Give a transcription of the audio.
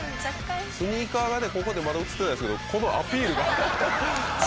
スニーカーがここでまだ写ってないですけどこのアピールが。